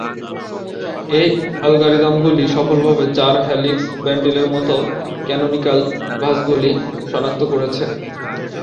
এই অ্যালগরিদমগুলি সফলভাবে চার-হেলিক্স বান্ডিলের মতো ক্যানোনিকাল ভাঁজগুলি সনাক্ত করেছে।